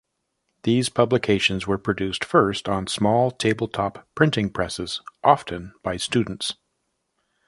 These publications were produced first on small tabletop printing presses, often by students.